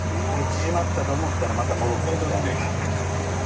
縮まったと思ったらまた戻ってみたいな。